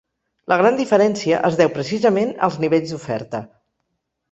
La gran diferència es deu precisament als nivells d’oferta.